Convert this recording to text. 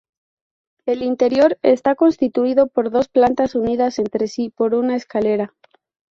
El interior está constituido por dos plantas unidas entre sí por una escalera.